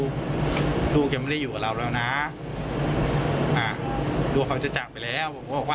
เขาเขียนรถนะครับ